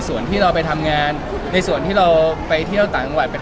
มีมีมีมีมีมีมีมีมีมีมีมีมีมีมี